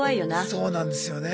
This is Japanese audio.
そうなんですよね。